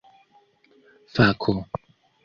fako